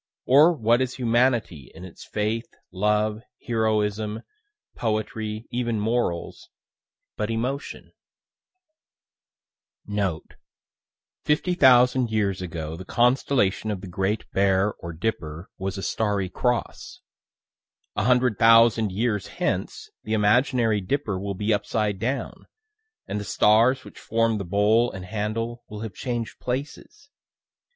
Or what is humanity in its faith, love, heroism, poetry, even morals, but emotion? Note: "Fifty thousand years ago the constellation of the Great Bear or Dipper was a starry cross; a hundred thousand years hence the imaginary Dipper will be upside down, and the stars which form the bowl and handle will have changed places.